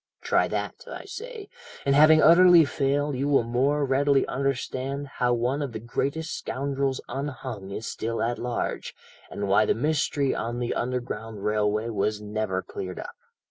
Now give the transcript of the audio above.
"Try that, I say, and having utterly failed you will more readily understand how one of the greatest scoundrels unhung is still at large, and why the mystery on the Underground Railway was never cleared up.